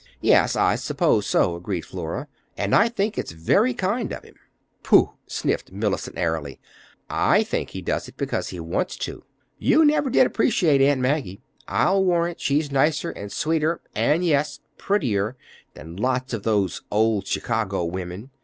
"Yes, I suppose so," agreed Flora. "And I think it's very kind of him." "Pooh!" sniffed Mellicent airily. "I think he does it because he wants to. You never did appreciate Aunt Maggie. I'll warrant she's nicer and sweeter and—and, yes, prettier than lots of those old Chicago women.